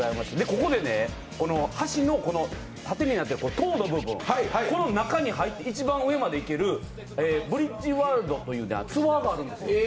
ここでね、橋の縦になっている塔の部分、この中に入って一番上まで行けるブリッジワールドというツアーがあるんですよ。